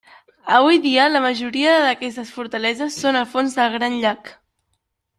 Avui dia la majoria d'aquestes fortaleses són al fons del gran llac.